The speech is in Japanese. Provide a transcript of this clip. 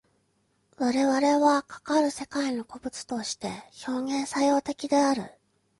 我々はかかる世界の個物として表現作用的である。